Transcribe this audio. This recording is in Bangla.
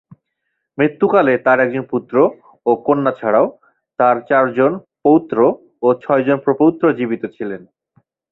মৃত্যুকালে তার একজন পুত্র ও কন্যা ছাড়াও তার চারজন পৌত্র ও ছয়জন প্রপৌত্র জীবিত ছিলেন।